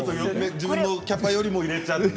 自分のキャパよりも入れちゃって。